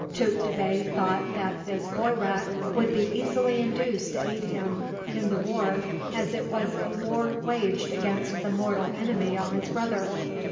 Tukta Bey thought that this Boyrak would be easily induced to aid him in the war, as it was a war waged against the mortal enemy of his brother.